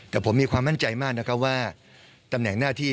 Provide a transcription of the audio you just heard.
แต่ผมมีความมั่นใจมากนะครับว่าตำแหน่งหน้าที่